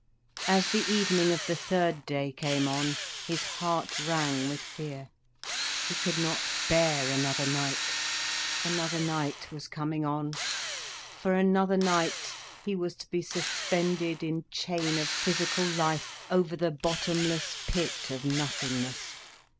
As the evening of the third day came on, his heart rang with fear. He could not bear another night. Another night was coming on, for another night he was to be suspended in chain of physical life, over the bottomless pit of nothingness.